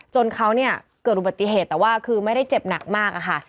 จนเขาเนี่ยเกิดอุบัติเหตุแต่ว่าคือไม่ได้เจ็บหนักมากอะค่ะ